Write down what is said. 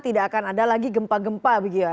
tidak akan ada lagi gempa gempa begitu ya